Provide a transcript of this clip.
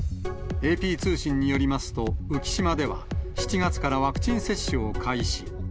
ＡＰ通信によりますと、浮島では７月からワクチン接種を開始。